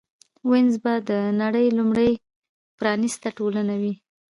وینز به د نړۍ لومړۍ پرانېسته ټولنه وي